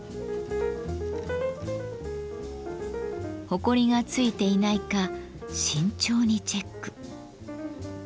ほこりが付いていないか慎重にチェック。